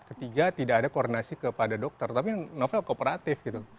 ketiga tidak ada koordinasi kepada dokter tapi novel kooperatif gitu